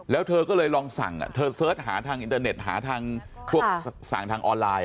แล้วเธอก็เลยลองสั่งเธอเสิร์ชหาทางอินเตอร์เน็ตหาทางพวกสั่งทางออนไลน์